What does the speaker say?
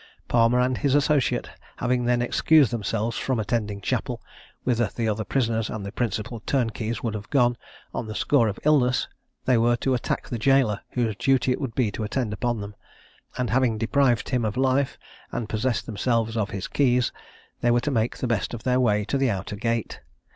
Palmer and his associate having then excused themselves from attending chapel, whither the other prisoners and the principal turnkeys would have gone, on the score of illness, they were to attack the gaoler, whose duty it would be to attend upon them, and having deprived him of life and possessed themselves of his keys, they were to make the best of their way to the outer gate.